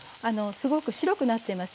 すごく白くなってますよね？